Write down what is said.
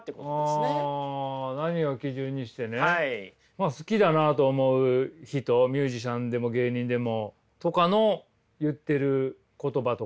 まあ好きだなと思う人ミュージシャンでも芸人でもとかの言ってる言葉とか。